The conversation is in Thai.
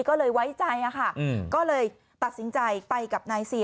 ก็เลยไว้ใจค่ะก็เลยตัดสินใจไปกับนายเซีย